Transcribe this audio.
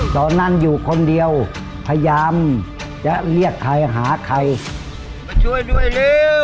ตอนนั้นอยู่คนเดียวพยายามจะเรียกใครหาใคร